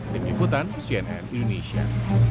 demi kutan cnn indonesia